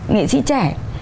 nghệ sĩ trẻ